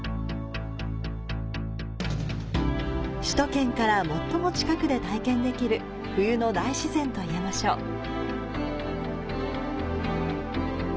首都圏から最も近くで体験できる冬の大自然といえましょう。